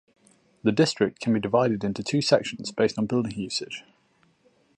The district can be divided into two sections based on building usage.